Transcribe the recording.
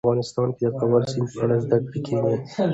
افغانستان کې د د کابل سیند په اړه زده کړه کېږي.